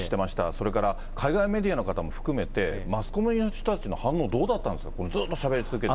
そして海外メディアの方も含めて、マスコミの人たちの反応どうだったんですか、ずっとしゃべり続けてて。